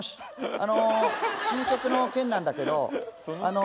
あの新曲の件なんだけどあの。